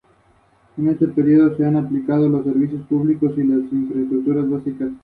Lakshmi Mittal está casado y es padre de dos hijos.